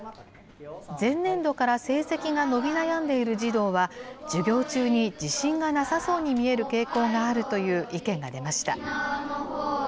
前年度から成績が伸び悩んでいる児童は、授業中に自信がなさそうに見える傾向があるという意見が出ました。